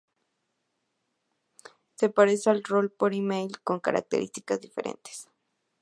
Se parece al Rol por eMail con características diferentes.